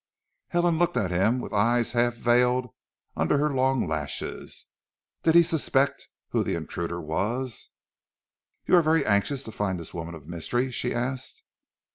Helen looked at him with eyes half veiled under her long lashes. Did he suspect who the intruder was? "You are very anxious to find this woman of mystery?" she asked.